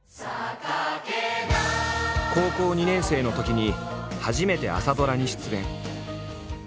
高校２年生のときに初めて朝ドラに出演。